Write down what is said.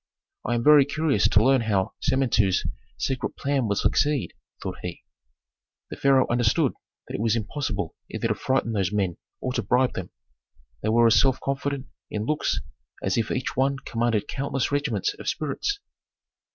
"I am very curious to learn how Samentu's secret plan will succeed," thought he. The pharaoh understood that it was impossible either to frighten those men or to bribe them. They were as self confident in looks as if each one commanded countless regiments of spirits.